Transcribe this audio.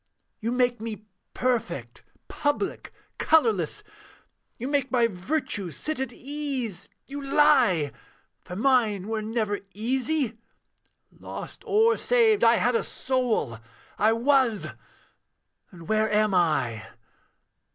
'You make me perfect, public, colourless; You make my virtues sit at ease you lie! For mine were never easy lost or saved, I had a soul I was. And where am I?